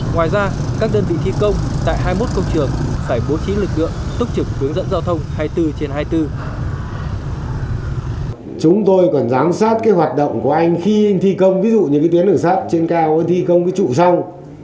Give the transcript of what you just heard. ngoài ra các đơn vị thi công tại hai mươi một công trường phải bố trí lực lượng túc trực hướng dẫn giao thông hai mươi bốn trên hai mươi bốn